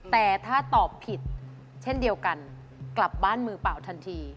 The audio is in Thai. แต่ถ้าตอบผิดเช่นเดียวกันกลับบ้านมือเปล่าทันที